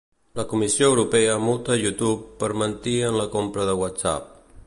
La Comissió Europea multa YouTube per mentir en la compra de WhatsApp.